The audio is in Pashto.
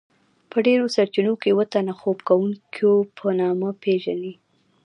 په ډیرو سرچینو کې اوه تنه خوب کوونکيو په نامه پیژني.